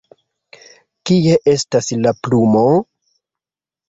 Kie estas la plumo?